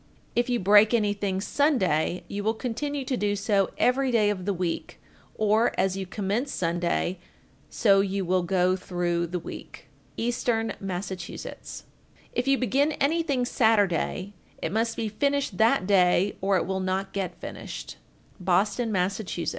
If you break anything Sunday, you will continue to do so every day of the week, or as you commence Sunday, so you will go through the week. Eastern Massachusetts. 1427. If you begin anything Saturday, it must be finished that day or it will not get finished. Boston, Mass. 1428.